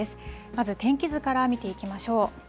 まず天気図から見ていきましょう。